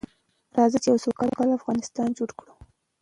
راځئ چې يو سوکاله افغانستان جوړ کړو.